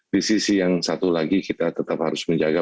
di sisi yang satu lagi kita tetap harus menjaga